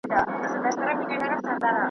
اوس د شمعي په لمبه کي ټګي سوځي .